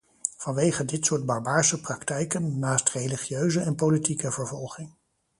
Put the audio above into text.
Vanwege dit soort barbaarse praktijken, naast religieuze en politieke vervolging.